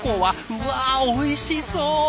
うわおいしそう！